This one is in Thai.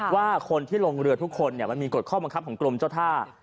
ว่าคนที่ลงเรือทุกคนมันมีกฎข้อบังคับของกรมเจ้าท่า